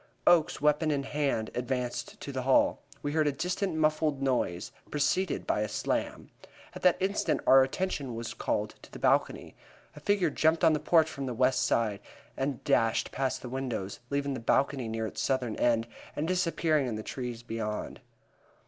Oakes, weapon in hand, advanced to the hall. We all heard a distant muffled noise, preceded by a slam. At that instant our attention was called to the balcony. A figure jumped on the porch from the west side and dashed past the windows, leaving the balcony near its southern end, and disappearing in the trees beyond.